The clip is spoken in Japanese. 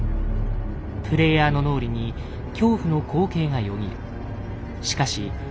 プレイヤーの脳裏に恐怖の光景がよぎる。